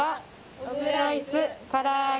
オムライスからあげ」